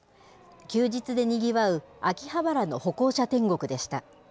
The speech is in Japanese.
休日でにぎわう秋葉原の歩行者天国でした。